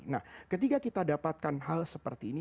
nah ketika kita dapatkan hal seperti ini